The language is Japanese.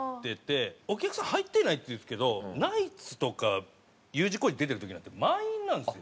お客さん入ってないって言うんですけどナイツとかＵ字工事出てる時なんて満員なんですよ。